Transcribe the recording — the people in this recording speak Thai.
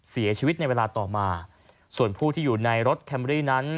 เสียชีวิตในเวลาต่อมาส่วนผู้ที่อยู่ในรถแคมรี่นั้น